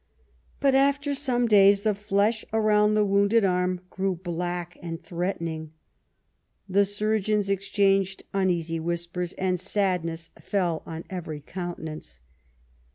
But after some days the flesh around the wounded arm grew black and threatening. The surgeons exchanged uneasy whispers, and sadness fell on every countenance.